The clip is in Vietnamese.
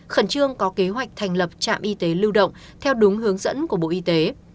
khẩn trương có kế hoạch thành lập trạm y tế lưu động theo đúng hướng dẫn của bộ y tế